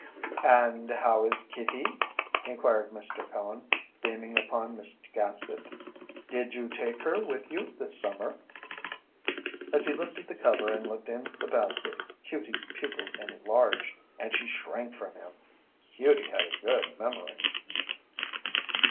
"And how is kitty?" inquired Mr. Cone, beaming upon Miss Gaskett. "Did you take her with you this summer?" As he lifted the cover and looked in the basket, "Cutie's" pupils enlarged and she shrank from him. "Cutie" had a good memory.